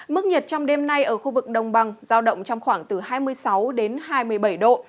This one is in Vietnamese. mức nhiệt trong đêm nay ở khu vực đồng bằng giao động trong khoảng từ hai mươi sáu đến hai mươi bảy độ